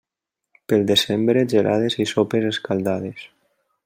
Pel desembre, gelades i sopes escaldades.